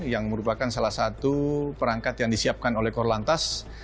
yang merupakan salah satu perangkat yang disiapkan oleh korlantas